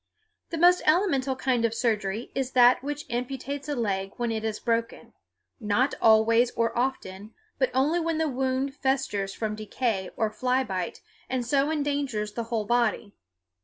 The most elemental kind of surgery is that which amputates a leg when it is broken, not always or often, but only when the wound festers from decay or fly bite and so endangers the whole body.